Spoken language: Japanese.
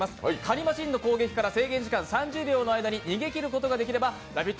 カニマシンの攻撃から制限時間３０秒の間に逃げきることができれば「ラヴィット！」